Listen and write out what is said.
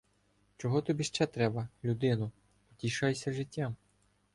Чого тобі ще треба, людино, утішайся життям